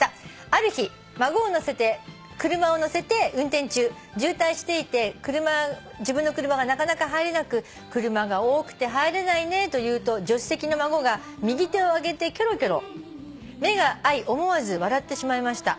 「ある日孫を車に乗せて運転中渋滞していて自分の車がなかなか入れなく車が多くて入れないねと言うと助手席の孫が右手を上げてきょろきょろ」「目が合い思わず笑ってしまいました」